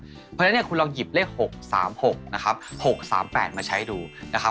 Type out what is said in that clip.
เพราะฉะนั้นเนี่ยคุณลองหยิบเลขหกสามหกนะครับหกสามแปดมาใช้ดูนะครับ